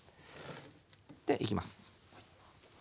ではいきます。